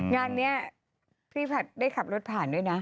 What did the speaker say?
งานนี้พี่ผัดได้ขับรถผ่านด้วยนะ